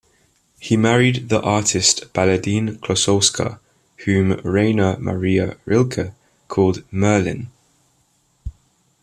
He married the artist Baladine Klossowska, whom Rainer Maria Rilke called Merline.